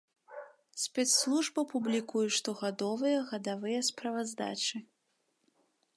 Спецслужба публікуе штогадовыя гадавыя справаздачы.